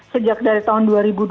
sejak dari tahun dua ribu dua puluh